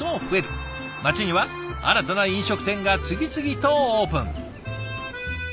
町には新たな飲食店が次々とオープン。